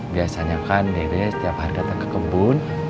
biasanya kan dede setiap hari datang ke kebun